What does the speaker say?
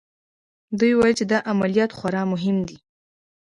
دوی ویل چې دا عملیات خورا مهم دی